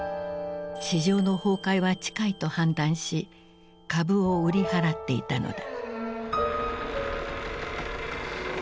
市場の崩壊は近いと判断し株を売り払っていたのだ。